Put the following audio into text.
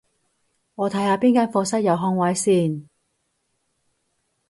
我睇下邊間課室有空位先